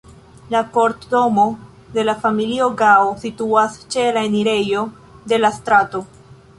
La kortdomo de la familio Gao situas ĉe la enirejo de la strato.